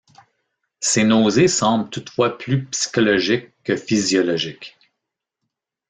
Ces nausées semblent toutefois plus psychologiques que physiologiques.